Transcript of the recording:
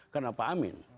karena pak amin